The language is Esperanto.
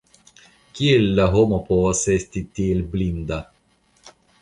Kiel la homo povas esti tiel blinda?